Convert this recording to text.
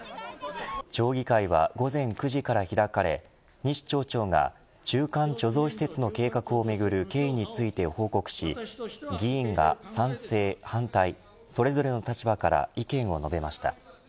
町議会は午前９時から開かれ西町長が中間貯蔵施設の計画をめぐる経緯について報告し議員が賛成、反対それぞれの立場から意見を述べました。